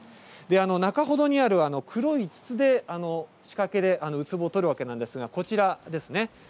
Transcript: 中ほどにある黒い筒で、仕掛けでウツボを取るわけなんですが、こちらですね。